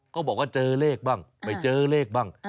ก็บอกว่าเจอเลขบ้างไปเจอเลขบ้าง